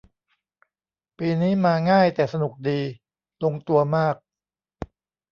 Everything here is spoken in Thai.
ปีนี้มาง่ายแต่สนุกดี ลงตัวมาก